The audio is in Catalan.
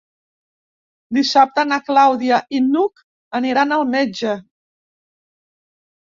Dissabte na Clàudia i n'Hug aniran al metge.